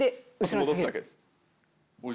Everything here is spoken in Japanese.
戻すだけです。